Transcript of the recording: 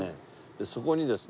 そこにですね